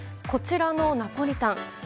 こちらのナポリタン。